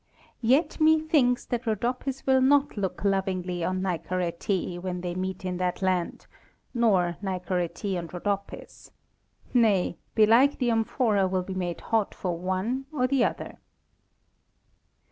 Yet methinks that Rhodopis will not look lovingly on Nicaretê, when they meet in that land, nor Nicaretê on Rhodopis. Nay, belike the amphora will be made hot for one or the other.